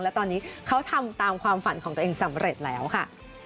และตอนนี้เขาทำตามความฝันของตัวเองสำเร็จแล้วค่ะ